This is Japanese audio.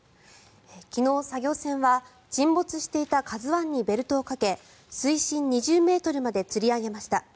昨日、作業船は沈没していた「ＫＡＺＵ１」にベルトをかけ水深２０ｍまでつり上げました。